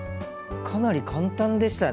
かなり簡単でしたね！